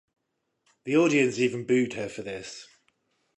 The audience even booed her for this.